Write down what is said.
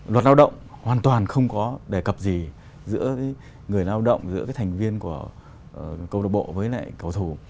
luật lao động hoàn toàn không có đề cập gì giữa người lao động giữa thành viên của cộng đồng bộ với lại cầu thủ